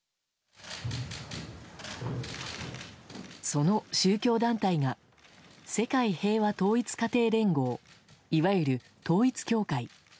その宗教団体が世界平和統一家庭連合いわゆる統一教会。